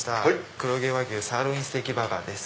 黒毛和牛サーロインステーキバーガーです。